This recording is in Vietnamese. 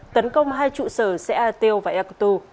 tấn công hai trụ sở xã ateo và ekotu